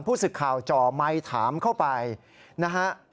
ผู้ศึกข่าวจ่อไม้ถามเข้าไปนะฮะ